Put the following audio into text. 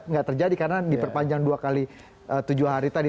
nggak terjadi karena diperpanjang dua kali tujuh hari tadi